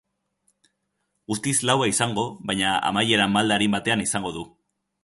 Guztiz laua izango, baina amaiera malda arin batean izango du.